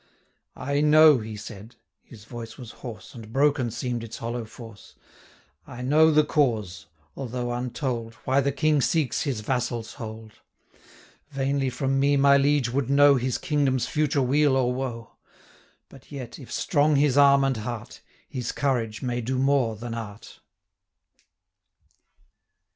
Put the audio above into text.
385 "I know," he said, his voice was hoarse, And broken seem'd its hollow force, "I know the cause, although untold, Why the King seeks his vassal's hold: Vainly from me my liege would know 390 His kingdom's future weal or woe; But yet, if strong his arm and heart, His courage may do more than art.